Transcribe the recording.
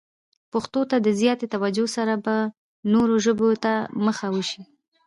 پښتو ته د زیاتې توجه سره به نورو ژبو ته مخه وشي.